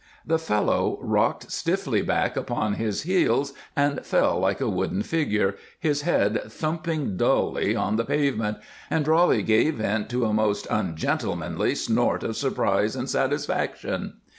The fellow rocked stiffly back upon his heels and fell like a wooden figure, his head thumping dully on the pavement, and Roly gave vent to a most ungentlemanly snort of surprise and satisfaction.